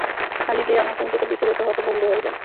খালিদ এই অনাকাঙ্ক্ষিত দৃশ্য দেখে হতভম্ব হয়ে যান।